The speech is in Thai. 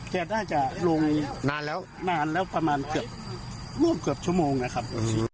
แค่น่าจะลงนานประมาณชั่วโมงนะครับ